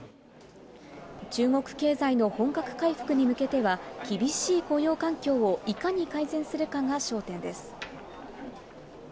中国経済の本格回復に向けては、厳しい雇用環境をいかに改善するかが焦点です。